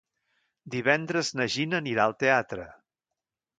Divendres na Gina anirà al teatre.